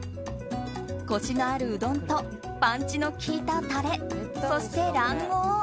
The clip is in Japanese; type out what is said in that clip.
コシのあるうどんとパンチの効いたタレ、そして卵黄。